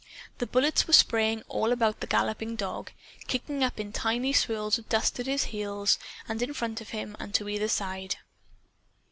The bullets were spraying all about the galloping dog, kicking up tiny swirls of dust at his heels and in front of him and to either side.